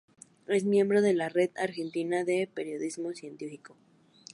Es miembro de la Red Argentina de Periodismo Científico.